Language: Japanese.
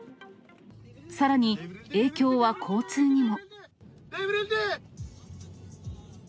さらに、影響は交通にも。